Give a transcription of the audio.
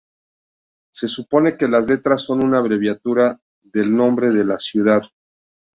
Se supone que las letras son una abreviatura del nombre de la ciudad.